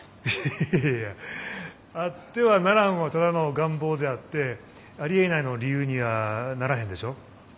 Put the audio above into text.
いやあってはならんはただの願望であってありえないの理由にはならへんでしょ。